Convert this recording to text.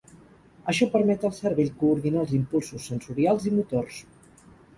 Això permet al cervell coordinar els impulsos sensorials i motors.